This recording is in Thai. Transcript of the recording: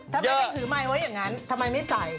ทำไมไม่ถือไม้เว้ยอย่างงั้นทำไมไม่ใส่